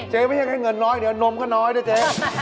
ไม่ใช่แค่เงินน้อยเดี๋ยวนมก็น้อยด้วยเจ๊